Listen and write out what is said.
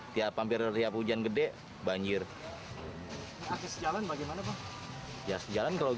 terputus ya bang